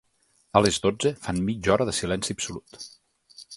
A les dotze, fan mitja hora de silenci absolut.